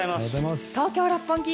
東京・六本木